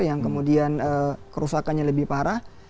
yang kemudian kerusakannya lebih parah